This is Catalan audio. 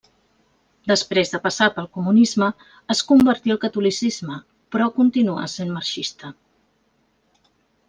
Després de passar pel comunisme, es convertí al catolicisme, però continuà sent marxista.